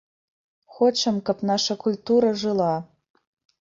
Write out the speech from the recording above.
Хочам, каб наша культура жыла.